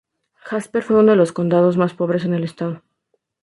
Jasper fue uno de los condados más pobres en el estado.